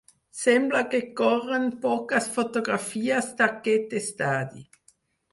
Sembla que corren poques fotografies d'aquest estadi.